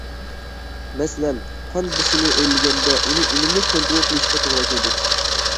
مەسىلەن: قان بېسىمى ئۆرلىگەندە ئۇنى ئۈنۈملۈك كونترول قىلىشقا توغرا كېلىدۇ.